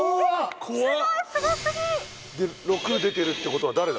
すごすぎ６出てるってことは誰だ